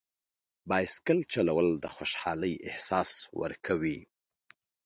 بایسکل چلول د خوشحالۍ احساس ورکوي.